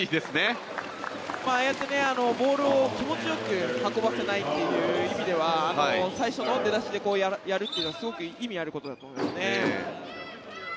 ああやってボールを気持ちよく運ばせないという意味では最初の出だしでやるっていうのはすごく意味があることだと思いますね。